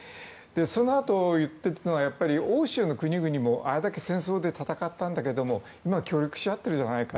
そのあと、言っているのは欧州の国々も、あれだけ戦争で戦ったんだけれども今は、協力をし合っているじゃないか。